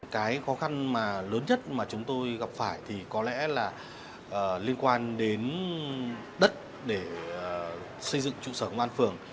cái khó khăn mà lớn nhất mà chúng tôi gặp phải thì có lẽ là liên quan đến đất để xây dựng trụ sở công an phường